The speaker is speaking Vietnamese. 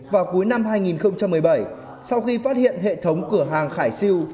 vào cuối năm hai nghìn một mươi bảy sau khi phát hiện hệ thống cửa hàng khải siêu